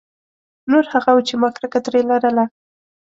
نور هغه وو چې ما کرکه ترې لرله.